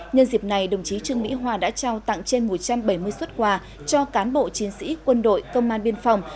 nhân dịp này đồng chí trương mỹ hoa đã trao tặng trên một trăm bảy mươi xuất quà cho cán bộ chiến sĩ quân đội công an biên phòng